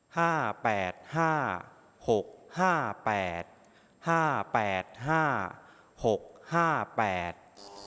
ห้าแปดห้าหกห้าแปดห้าแปดห้าหกห้าแปด